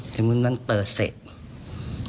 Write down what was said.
แต่มันเปิดเสร็จ